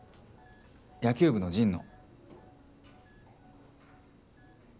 野球部の神野。